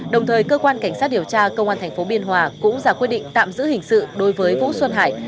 đồng thời cơ quan cảnh sát điều tra công an tp biên hòa cũng ra quyết định tạm giữ hình sự đối với vũ xuân hải